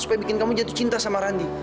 supaya bikin kamu jatuh cinta sama randi